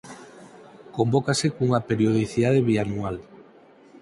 Convócase cunha periodicidade bianual.